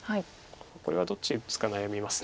これはどっち打つか悩みます。